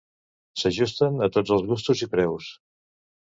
S'ajusten a tots els gustos i preus.